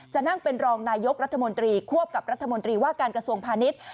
นั่งเป็นรองนายกรัฐมนตรีควบกับรัฐมนตรีว่าการกระทรวงพาณิชย์